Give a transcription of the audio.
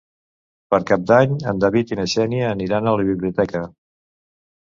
Per Cap d'Any en David i na Xènia aniran a la biblioteca.